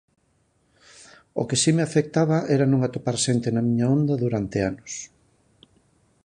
O que si me afectaba era non atopar xente na miña onda durante anos.